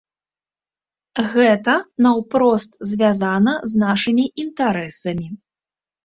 Гэта наўпрост звязана з нашымі інтарэсамі.